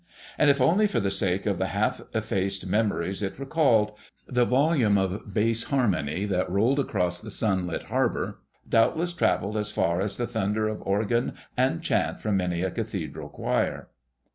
And if only for the sake of the half effaced memories it recalled, the volume of bass harmony that rolled across the sunlit harbour doubtless travelled as far as the thunder of organ and chant from many a cathedral choir.